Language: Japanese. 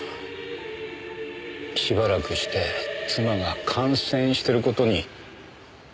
しばらくして妻が感染してる事に気がついたんだ。